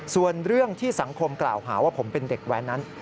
ส่วนเรื่องที่สังคมกล่าวหาว่าผมเป็นเด็กแว้นนั้น